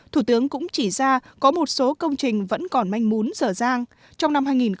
thủ tướng cũng chỉ ra có một số công trình vẫn còn manh mún dở dàng